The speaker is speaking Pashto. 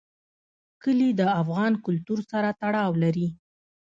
کلي د افغان کلتور سره تړاو لري.